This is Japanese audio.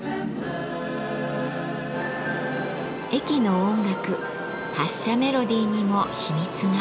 駅の音楽発車メロディーにも秘密が。